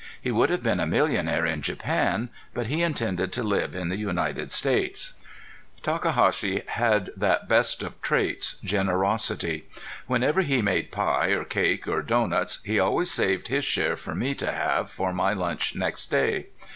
He would have been a millionaire in Japan, but he intended to live in the United States. Takahashi had that best of traits generosity. Whenever he made pie or cake or doughnuts he always saved his share for me to have for my lunch next day.